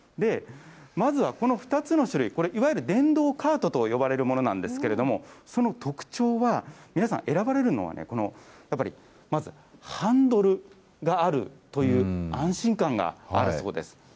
まずはこの２つの種類、これ、いわゆる、電動カートと呼ばれるものなんですけれども、その特徴は、皆さん、選ばれるのはやっぱりまずハンドルがあるという安心感があるそうです。